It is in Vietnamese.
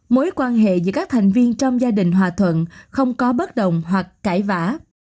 mối quan hệ giữa các thành viên trong gia đình hòa thuận không có bất đồng hoặc cãi vã